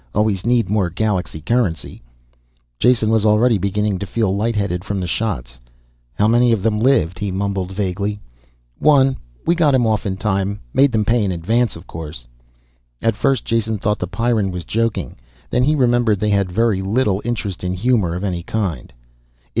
Always need more galaxy currency." Jason was already beginning to feel light headed from the shots. "How many of them lived?" he mumbled vaguely. "One. We got him off in time. Made them pay in advance of course." At first Jason thought the Pyrran was joking. Then he remembered they had very little interest in humor of any kind.